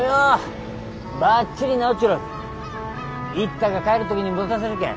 一太が帰る時に持たせるけん。